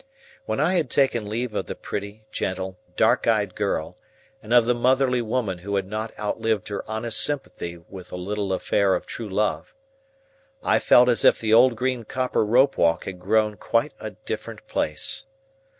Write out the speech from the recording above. When I had taken leave of the pretty, gentle, dark eyed girl, and of the motherly woman who had not outlived her honest sympathy with a little affair of true love, I felt as if the Old Green Copper Rope walk had grown quite a different place.